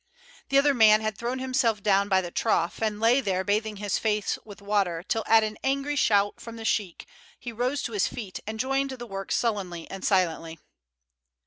The other man had thrown himself down by the trough, and lay there bathing his face with water till at an angry shout from the sheik he rose to his feet and joined in the work sullenly and silently.